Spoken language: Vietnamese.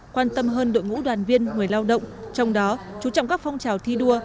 quan tâm hơn đội ngũ đoàn viên người lao động trong đó chú trọng các phong trào thi đua